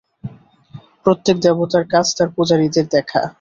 প্রত্যেক দেবতার কাজ তার পূজারীদের দেখা।